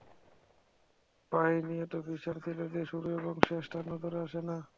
বাহিনী এত বিশাল ছিল যে, শুরু এবং শেষ তার নজরে আসে না।